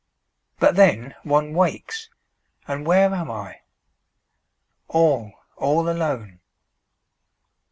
But then one wakes, and where am I? All, all alone.